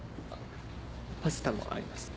パスタもありますね。